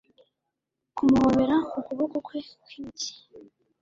Kumuhobera ukuboko kwe kwimitsi